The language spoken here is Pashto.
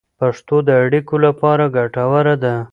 پښتو د اړیکو لپاره ګټوره ده.